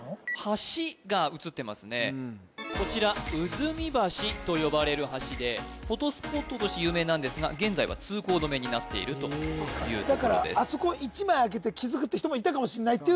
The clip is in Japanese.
橋が写ってますねこちら埋橋と呼ばれる橋でフォトスポットとして有名なんですが現在は通行止めになっているということですだからあそこそうだね難しい！